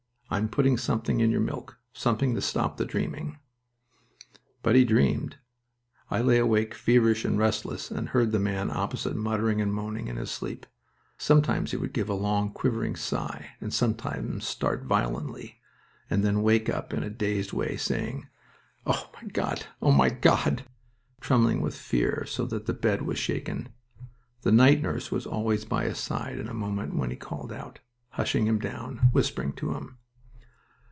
"I am putting something in your milk. Something to stop the dreaming." But he dreamed. I lay awake, feverish and restless, and heard the man opposite muttering and moaning, in his sleep. Sometimes he would give a long, quivering sigh, and sometimes start violently, and then wake up in a dazed way, saying: "Oh, my God! Oh, my God!" trembling with fear, so that the bed was shaken. The night nurse was always by his side in a moment when he called out, hushing him down, whispering to him.